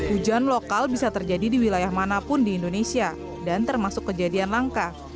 hujan lokal bisa terjadi di wilayah manapun di indonesia dan termasuk kejadian langka